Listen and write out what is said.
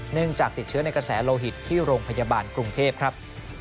จากติดเชื้อในกระแสโลหิตที่โรงพยาบาลกรุงเทพครับ